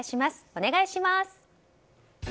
お願いします。